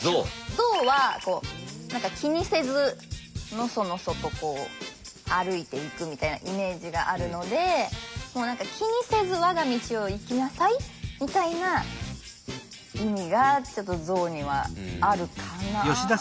象はこう気にせずのそのそとこう歩いていくみたいなイメージがあるのでもう何か気にせず我が道を行きなさいみたいな意味がちょっと象にはあるかなあ。